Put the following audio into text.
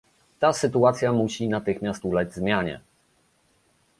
Ta sytuacja musi natychmiast ulec zmianie